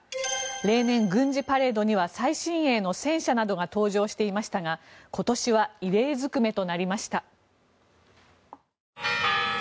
例年、軍事パレードには最新鋭の戦車などが登場していましたが今年は異例ずくめとなりました。